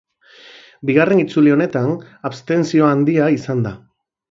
Bigarren itzuli honetan abstentzio handia izan da.